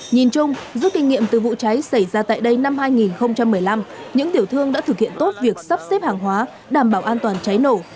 nhìn chung giúp kinh nghiệm từ vụ cháy xảy ra tại đây năm hai nghìn một mươi năm những tiểu thương đã thực hiện tốt việc sắp xếp hàng hóa đảm bảo an toàn cháy nổ